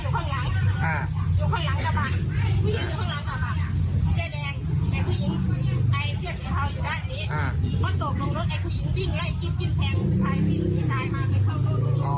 เขาอยู่ด้านนี้มันโดบลงรถไอ้ผู้หญิงวิ่งและไอ้กิ๊บแพง